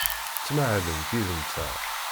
Ttmahalent yid-nteɣ.